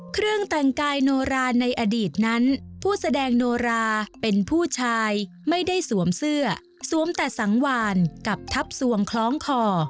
เครื่องแต่งกายโนราในอดีตนั้นผู้แสดงโนราเป็นผู้ชายไม่ได้สวมเสื้อสวมแต่สังวานกับทับสวงคล้องคอ